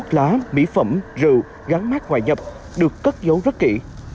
lá mỹ phẩm rượu gán mát ngoài nhập được cất dấu rất kỹ